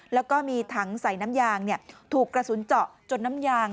แล้วก็มีถังใส่น้ำยางถูกกระสุนเจาะจนน้ำยาง